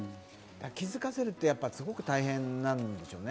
気付かせるってやっぱすごく大変なんでしょうね。